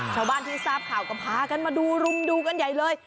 ชาวบ้านที่ทราบข่าวก็พากันมาดูรุมดูกันใหญ่เลย